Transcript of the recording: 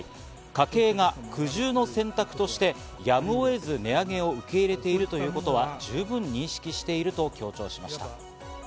家計が苦渋の選択として、やむを得ず、値上げを受け入れているということは、十分認識していると強調しました。